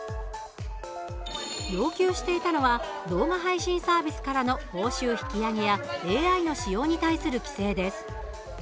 要求していたのは動画配信サービスからの報酬引き上げやＡＩの使用に対する規制です。